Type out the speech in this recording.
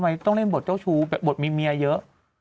ต้องเล่นบทเจ้าชู้แบบบทมีเมียเยอะ